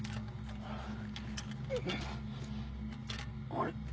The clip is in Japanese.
あれ？